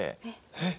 えっ！